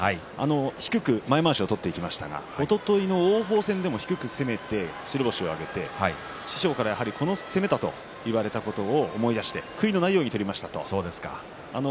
低く前まわしを取っていきましたがおとといの王鵬戦でも低く攻めて白星を挙げて師匠からこの攻めだと言われたということを思い出して悔いのないように取りましたと言っていました。